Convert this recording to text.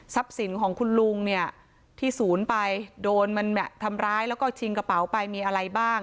สินของคุณลุงเนี่ยที่ศูนย์ไปโดนมันทำร้ายแล้วก็ชิงกระเป๋าไปมีอะไรบ้าง